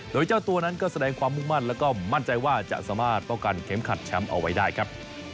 โดยเจ้าตัวนั้นก็แสดงความมุ่งมั่นแล้วก็มั่นใจว่าจะสามารถป้องกันเข็มขัดแชมป์เอาไว้ได้ครับ